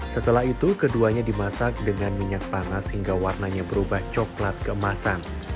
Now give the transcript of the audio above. setelah itu keduanya dimasak dengan minyak panas hingga warnanya berubah coklat keemasan